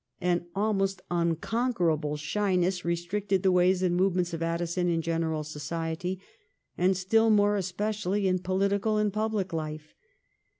An almost unconquerable shyness re stricted the ways and movements of Addison in general society, and still more especially in political 1711 SIR ROGER DE COVERLEY. 183 and public life.